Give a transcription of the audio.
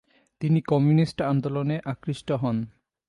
তিনি কমিউনিস্ট আন্দোলনে আকৃষ্ট হন।